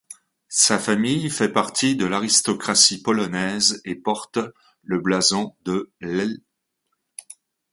Sa famille fait partie de l'aristocratie polonaise et porte le blason de l'.